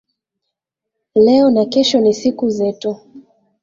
Leo na kesho ni siku zetu